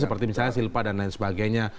seperti misalnya silpa dan lain sebagainya